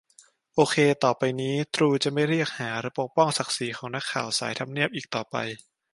โอเค ต่อไปนี้ ตรูจะไม่เรียกหาหรือปกป้องศักดิ์ศรีของนักข่าวสายทำเนียบอีกต่อไป